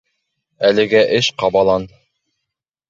Әлегә эш ҡабалан.